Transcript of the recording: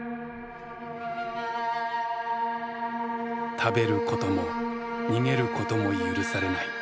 食べることも逃げることも許されない。